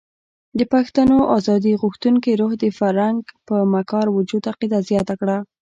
د پښتنو ازادي غوښتونکي روح د فرنګ پر مکار وجود عقیده زیاته کړه.